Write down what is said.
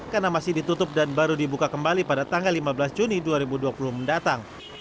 karena masih ditutup dan baru dibuka kembali pada tanggal lima belas juni dua ribu dua puluh mendatang